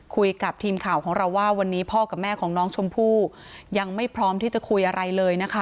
คุยกับทีมข่าวของเราว่าวันนี้พ่อกับแม่ของน้องชมพู่ยังไม่พร้อมที่จะคุยอะไรเลยนะคะ